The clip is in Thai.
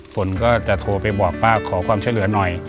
ฝนก็จะโทรไปบอกป้าขอความช่วยเหลือหน่อย